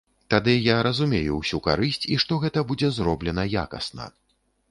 Тады я разумею ўсю карысць і што гэта будзе зроблена якасна.